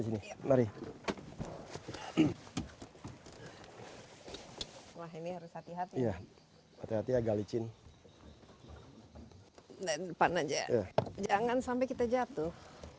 sini mari ini harus hati hati ya hati hati agar licin depan aja jangan sampai kita jatuh